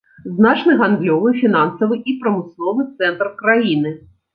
Значны гандлёвы, фінансавы і прамысловы цэнтр краіны.